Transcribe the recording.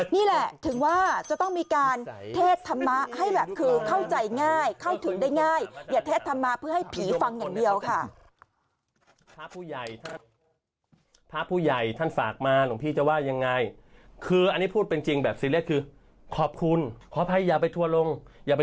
นี่แหละถึงว่าจะต้องมีการเทศธรรมะให้แบบคือเข้าใจง่ายเข้าถึงได้ง่าย